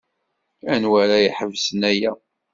Anwa ara iḥebsen aya?